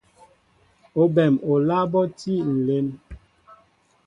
Óɓem oláá ɓɔ tí nlem.